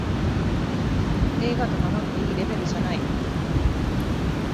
映画と名乗っていいレベルじゃない